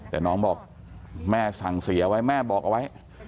แต่น้องบอกแม่สั่งเสียไว้แม่บอกเอาไว้